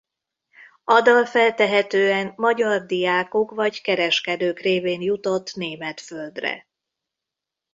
A dal feltehetően magyar diákok vagy kereskedők révén jutott német földre.